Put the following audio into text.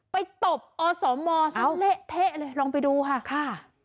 ตบอสมซะเละเทะเลยลองไปดูค่ะค่ะ